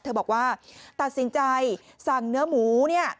เธอบอกว่าตัดสินใจสั่งเนื้อหมู